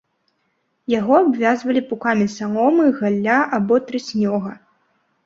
Яго абвязвалі пукамі саломы, галля або трыснёга.